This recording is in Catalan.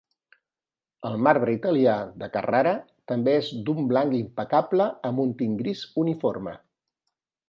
El marbre italià de Carrara també és d'un blanc impecable amb un tint gris uniforme.